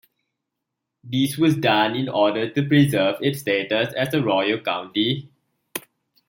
This was done in order to preserve its status as a royal county.